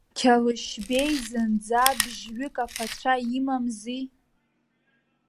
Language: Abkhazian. Қьалышьбеи зынӡа бжьҩык аԥацәа имамзи.